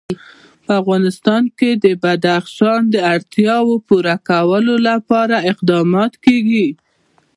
په افغانستان کې د بدخشان د اړتیاوو پوره کولو لپاره اقدامات کېږي.